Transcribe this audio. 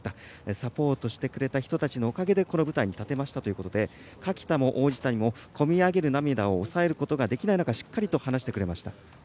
サポートしてくれた人たちのおかげでこの舞台に立てましたというので垣田も王子谷も込み上げる涙を抑えきることができない中しっかりと話してくれました。